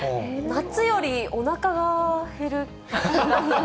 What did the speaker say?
夏よりおなかが減る。